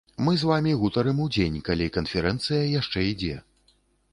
Мы з вамі гутарым удзень, калі канферэнцыя яшчэ ідзе.